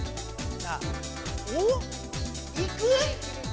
おお！いく？